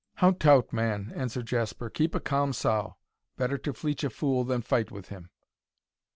"Hout tout, man!" answered Jasper, "keep a calm sough; better to fleech a fool than fight with him."